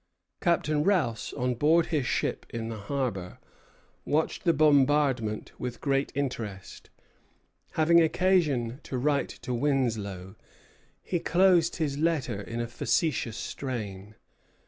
Captain Rous, on board his ship in the harbor, watched the bombardment with great interest. Having occasion to write to Winslow, he closed his letter in a facetious strain.